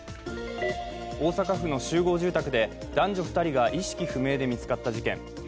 大阪府の集合住宅で男女２人が意識不明で見つかった事件。